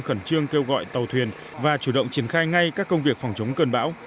khẩn trương kêu gọi tàu thuyền và chủ động triển khai ngay các công việc phòng chống cơn bão